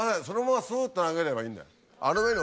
そのままスっと投げればいいんだよ。